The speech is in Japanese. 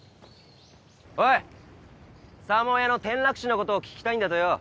おいサーモン屋の転落死のことを聞きたいんだとよ。